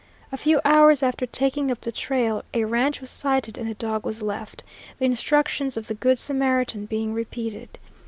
A few hours after taking up the trail, a ranch was sighted and the dog was left, the instructions of the Good Samaritan being repeated.